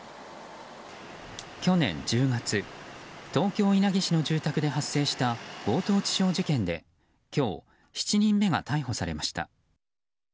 去年１０月東京・稲城市の住宅で発生した強盗致傷事件で今日、７人目が逮捕されました。